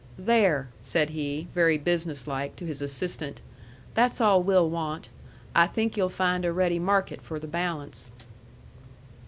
"There," said he, very businesslike, to his assistant, "that's all we'll want. I think you'll find a ready market for the balance."